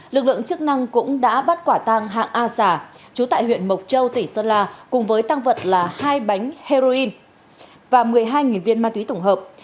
lực lượng chức năng cũng đã bắt quả tăng hạng a xà trú tại huyện bộc châu tỉnh sơn la cùng với tăng vật là hai bánh heroin và một mươi hai viên ma túy tổng hợp